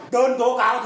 đơn tố cáo của người dân